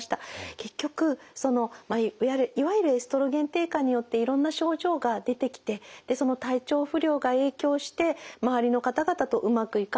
結局いわゆるエストロゲン低下によっていろんな症状が出てきてその体調不良が影響して周りの方々とうまくいかない。